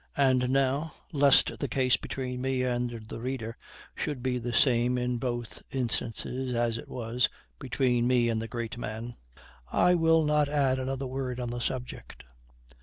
And now, lest the case between me and the reader should be the same in both instances as it was between me and the great man, I will not add another word on the subject.